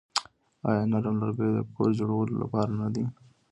آیا نرم لرګي د کور جوړولو لپاره نه دي؟